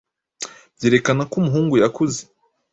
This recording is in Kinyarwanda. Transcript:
byerekana ko umuhungu yakuze